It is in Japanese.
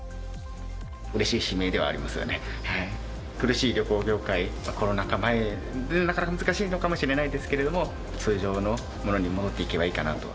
うれしい悲鳴ではありますがね、苦しい旅行業界、コロナ禍前にはなかなか難しいのかもしれませんけれども、通常のものに戻っていけばいいかなと。